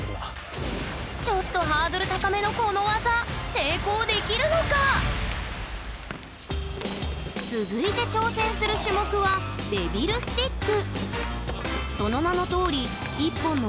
ちょっとハードル高めのこの技続いて挑戦する種目は「デビルスティック」。